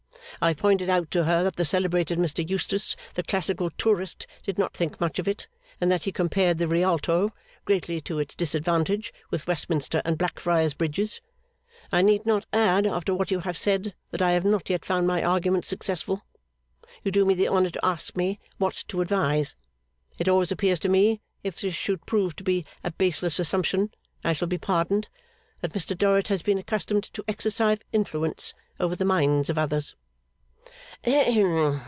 I have pointed out to her that the celebrated Mr Eustace, the classical tourist, did not think much of it; and that he compared the Rialto, greatly to its disadvantage, with Westminster and Blackfriars Bridges. I need not add, after what you have said, that I have not yet found my arguments successful. You do me the honour to ask me what to advise. It always appears to me (if this should prove to be a baseless assumption, I shall be pardoned), that Mr Dorrit has been accustomed to exercise influence over the minds of others.